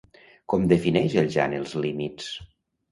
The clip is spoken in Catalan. Com defineix el Jan els límits?